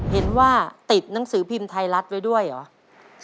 เห็นว่าติดหนังสือพิมพ์ไทยรัฐไว้ด้วยเหรอ